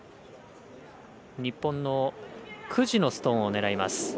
日本の９時のストーンを狙います。